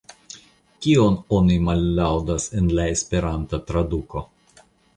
Kion oni mallaŭdas en la Esperanta traduko?